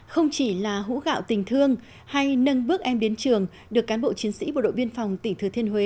không chỉ là hũ gạo tình thương hay nâng bước em đến trường được cán bộ chiến sĩ bộ đội biên phòng tỉnh thừa thiên huế